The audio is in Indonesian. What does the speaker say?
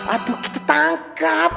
aduh kita tangkap